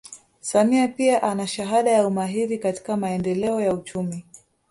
Samia pia ana shahada ya umahiri katika maendeleo ya uchumi